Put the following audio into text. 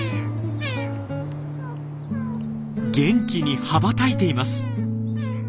元気に羽ばたいています！